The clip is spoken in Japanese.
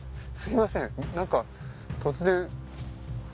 すいません何か突然。